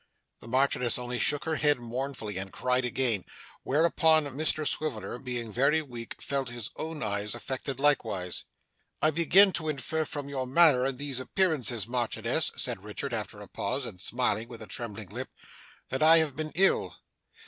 The Marchioness only shook her head mournfully, and cried again; whereupon Mr Swiveller (being very weak) felt his own eyes affected likewise. 'I begin to infer, from your manner, and these appearances, Marchioness,' said Richard after a pause, and smiling with a trembling lip, 'that I have been ill.